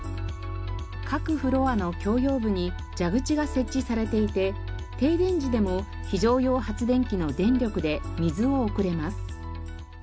各フロアの共用部に蛇口が設置されていて停電時でも非常用発電機の電力で水を送れます。